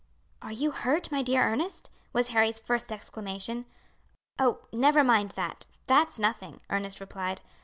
"Are you hurt, my dear Ernest?" was Harry's first exclamation. "Oh, never mind that, that's nothing," Ernest replied.